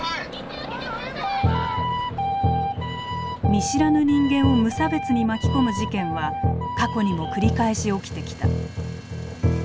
見知らぬ人間を無差別に巻き込む事件は過去にも繰り返し起きてきた。